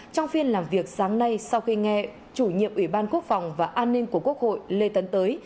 trong phiên làm việc sáng nay sau khi nghe chủ nhiệm ủy ban quốc phòng và an ninh của quốc hội lê tấn tới